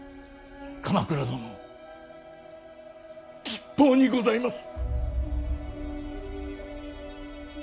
鎌倉殿吉報にございます。